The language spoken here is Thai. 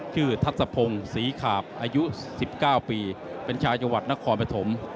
ทัศพงศ์ศรีขาบอายุ๑๙ปีเป็นชาวจังหวัดนครปฐม